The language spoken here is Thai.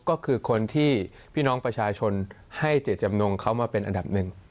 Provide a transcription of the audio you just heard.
ก็คือคนที่พี่น้องประชาชนให้เจตจำนงเขามาเป็นอันดับหนึ่ง